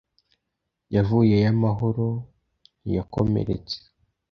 yavuyeyo amahoro, ntiyakomeretse